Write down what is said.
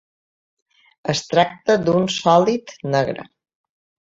Es tracta d'un sòlid negre.